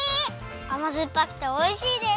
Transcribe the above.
あまずっぱくておいしいです！